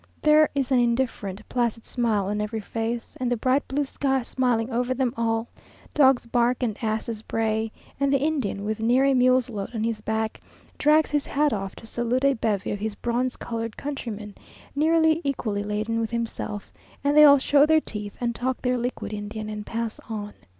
There is an indifferent, placid smile on every face, and the bright blue sky smiling over them all; dogs bark, and asses bray, and the Indian, with near a mule's load on his back, drags his hat off to salute a bevy of his bronze coloured countrymen, nearly equally laden with himself, and they all show their teeth and talk their liquid Indian and pass on.